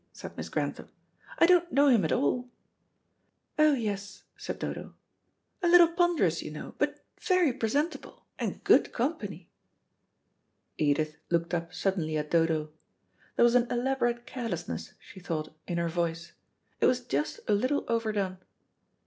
said Miss Grantham. "I don't know him at all." "Oh, yes," said Dodo; "a little ponderous, you know, but very presentable, and good company." Edith looked up suddenly at Dodo. There was an elaborate carelessness, she thought, in her voice. It was just a little overdone.